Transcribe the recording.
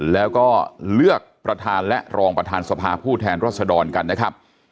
แล้วก็เลือกประธานและรองประธานสภาผู้แทนรัศดรกันนะครับ